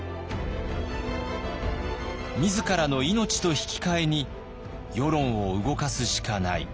自らの命と引き換えに世論を動かすしかない。